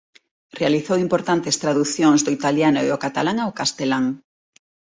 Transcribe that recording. Realizou importantes traducións do italiano e o catalán ao castelán.